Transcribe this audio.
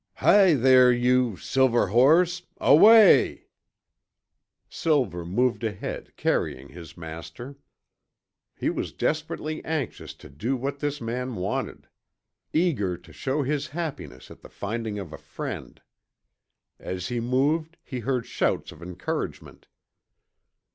"Hi there you, Silver horse, away!" Silver moved ahead, carrying his master. He was desperately anxious to do what this man wanted. Eager to show his happiness at the finding of a friend. As he moved, he heard shouts of encouragement.